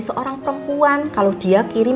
seorang perempuan kalau dia kirim